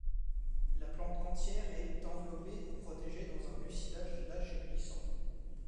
La plante entière est enveloppée et protégée dans un mucilage lâche et glissant.